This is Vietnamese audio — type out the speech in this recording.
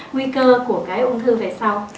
nguy cơ của cái ung thư về sau